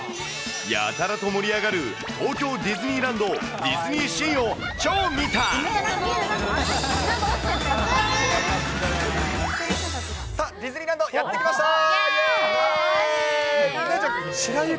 やたらと盛り上がる東京ディズニーランド・ディズニーシーを超見さあ、ディズニーランド、イェイ。